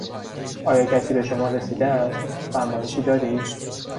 آیا کسی به شما رسیده است؟ فرمایشی دارید؟